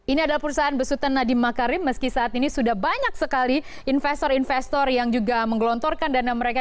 ini adalah perusahaan besutan nadiem makarim meski saat ini sudah banyak sekali investor investor yang juga menggelontorkan dana mereka